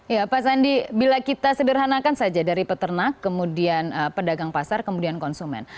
ya pak sandi bila kita sederhanakan saja dari peternak kemudian pedagang pasar kemudian konsumen